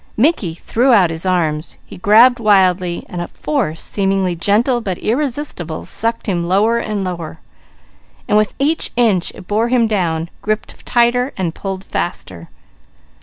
Mickey threw out his arms. He grabbed wildly; while a force, seemingly gentle but irresistible, sucked him lower and lower, and with each inch it bore him down, gripped tighter, and pulled faster.